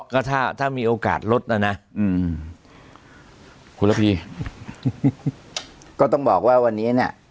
ก็ถ้าถ้ามีโอกาสลดนะนะคุณระพีก็ต้องบอกว่าวันนี้เนี่ย